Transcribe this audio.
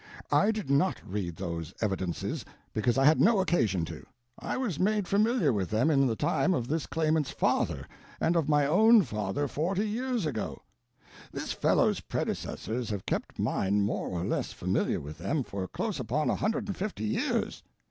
I did not read those evidences because I had no occasion to—I was made familiar with them in the time of this claimant's father and of my own father forty years ago. This fellow's predecessors have kept mine more or less familiar with them for close upon a hundred and fifty years.